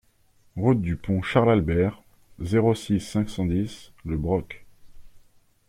Route du Pont Charles Albert, zéro six, cinq cent dix Le Broc